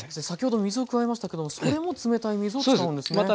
先ほど水を加えましたけどもそれも冷たい水を使うんですね。